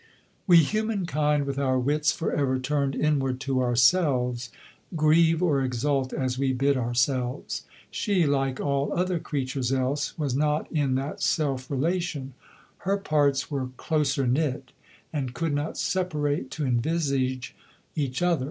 We humankind with our wits for ever turned inward to ourselves, grieve or exult as we bid ourselves: she, like all other creatures else, was not in that self relation; her parts were closer knit, and could not separate to envisage each other.